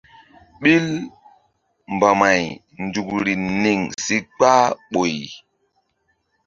Ɓil mbamay nzukri niŋ si kpah ɓoy.